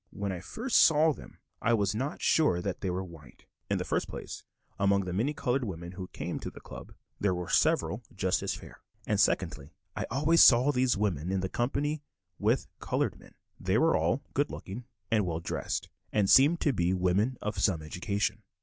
When I first saw them, I was not sure that they were white. In the first place, among the many colored women who came to the "Club" there were several just as fair; and, secondly, I always saw these women in company with colored men. They were all good looking and well dressed, and seemed to be women of some education.